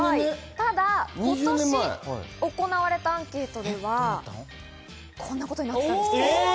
ただ、今年行われたアンケートではこんなことになりました。